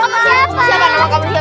pernah sih ya